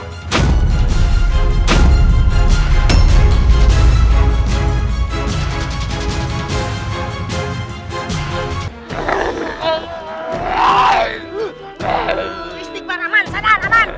istighfar aman sadar aman